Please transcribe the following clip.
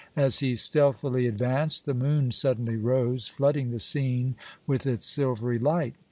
As he stealthily advanced, the moon suddenly rose, flooding the scene with its silvery light.